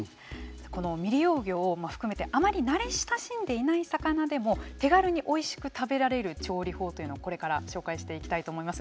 この未利用魚を含めてあまり慣れ親しんでいない魚でも手軽においしく食べられる調理法というのをこれから紹介していきたいと思います。